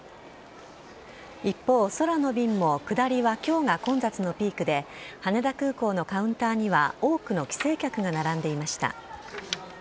一方、空の便も下りはきょうが混雑のピークで、羽田空港のカウンターには、多くの帰省客が並んでいました。